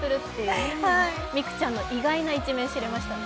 美空ちゃんの意外な一面が知れましたね。